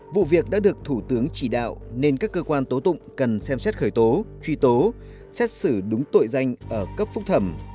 vụ việc đã được thủ tướng chỉ đạo nên các cơ quan tố tụng cần xem xét khởi tố truy tố xét xử đúng tội danh ở cấp phúc thẩm